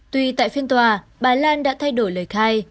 tuy tại phiên tòa bà lan đã thay đổi lời khai